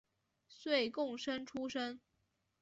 岁贡生出身。